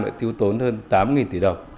đã tiêu tốn hơn tám nghìn tỷ đồng